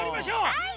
はい！